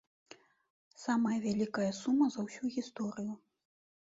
Самая вялікая сума за ўсю гісторыю.